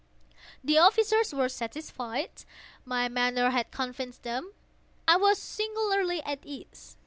The officers were satisfied. My manner had convinced them. I was singularly at ease.